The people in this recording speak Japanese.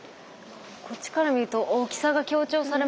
こっちから見ると大きさが強調されますね。